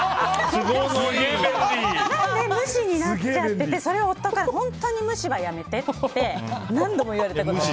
なので無視になっちゃっててそれを夫から本当に無視はやめてって何度も言われたことがある。